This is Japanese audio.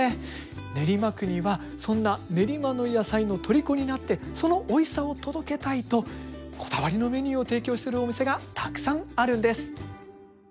練馬区にはそんな練馬の野菜のとりこになってそのおいしさを届けたいとこだわりのメニューを提供してるお店がたくさんあるんです。